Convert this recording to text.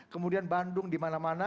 kemudian bandung di mana mana